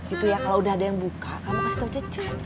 itu ya kalau udah ada yang buka kamu kasih tau cuy